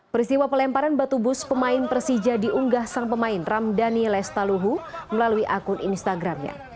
peristiwa pelemparan batu bus pemain persija diunggah sang pemain ramdhani lestaluhu melalui akun instagramnya